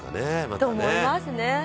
「って思いますね」